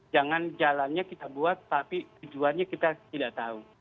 jangan jalannya kita buat tapi tujuannya kita tidak tahu